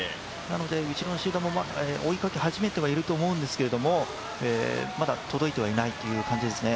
後ろの集団も追いかけ始めていると思うんですけれども、まだ、届いてない感じですね。